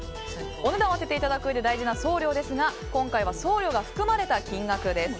お値段を当てていただくうえで大事な送料ですが今回は送料が含まれた金額です。